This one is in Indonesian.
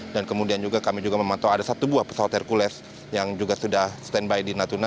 dan kemudian juga kami juga memantau ada satu buah pesawat hercules yang juga sudah standby di natuna